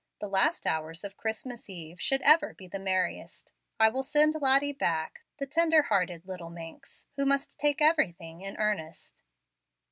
The last hours of Christmas eve should ever be the merriest. I will send Lottie back, the tender hearted little minx, who must take everything in earnest."